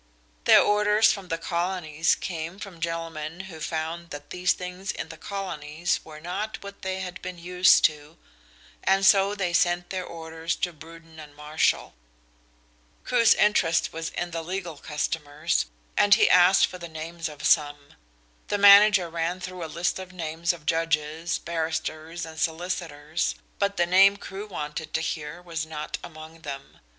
Their orders from the Colonies came from gentlemen who found that these things in the Colonies were not what they had been used to, and so they sent their orders to Bruden and Marshall. Crewe's interest was in the legal customers and he asked for the names of some. The manager ran through a list of names of judges, barristers and solicitors, but the name Crewe wanted to hear was not among them.